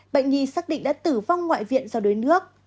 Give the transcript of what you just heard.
bệnh nhi xác định đã tử vong ngoại viện do đuối nước